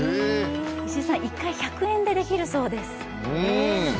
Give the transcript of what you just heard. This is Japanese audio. １回１００円でできるそうです。